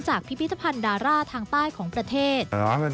พิพิธภัณฑ์ดาร่าทางใต้ของประเทศ